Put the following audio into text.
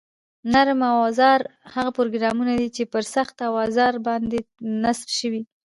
نرم اوزار هغه پروګرامونه دي چې پر سخت اوزار باندې نصب شوي